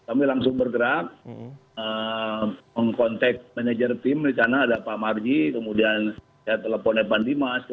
kami langsung bergerak mengkontak manajer tim di sana ada pak marji kemudian saya teleponnya pak andimas